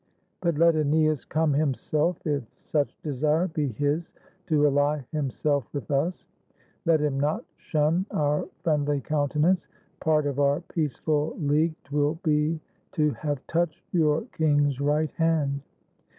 But let ^neas come himself, if such Desire be his to ally himself with us; Let him not shun our friendly countenance, Part of our peaceful league 't will be to have touched Your king's right hand.